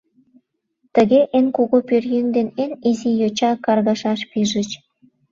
Тыге эн кугу пӧръеҥ ден эн изи йоча каргашаш пижыч.